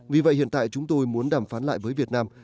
vì vậy hiện tại chúng tôi muốn đàm phán lại với việt nam